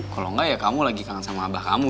kalau enggak ya kamu lagi kangen sama abah kamu